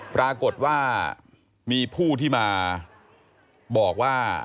ปรากฏว่ามีผู้ที่มาบอกว่า